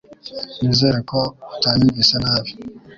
Nizere ko utanyumvise nabi